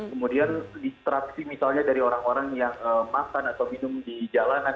kemudian distraksi misalnya dari orang orang yang makan atau minum di jalanan